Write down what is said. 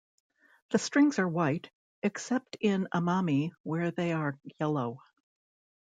The strings are white, except in Amami, where they are yellow.